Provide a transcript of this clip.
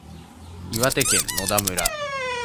岩手県野田村